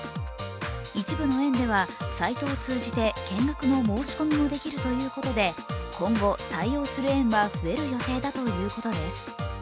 一部の園ではサイトを通じて見学の申し込みもできるということで、今後、対応する園は増える予定だということです。